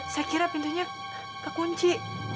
saya kira pintunya kekunci